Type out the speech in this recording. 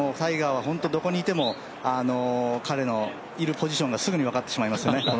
タイガーは本当にどこにいても彼のいるポジションがすぐに分かってしまいますね